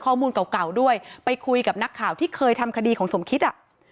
ข้อมูลเก่าเก่าด้วยไปคุยกับนักข่าวที่เคยทำคดีของสมคิดอ่ะ